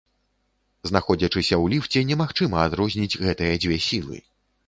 Знаходзячыся ў ліфце, немагчыма адрозніць гэтыя дзве сілы.